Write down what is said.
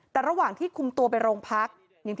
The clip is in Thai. แต่ระหว่างที่คุมตัวไปโรงพัก